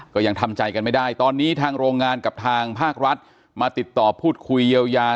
ก็ยังทำใจกันไม่ได้ตอนนี้ทางโรงงานกับทางภาครัฐมาติดต่อพูดคุยเยียวยา